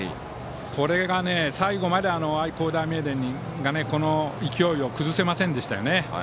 これが、最後まで愛工大名電がこの勢いを崩せませんでしたよね。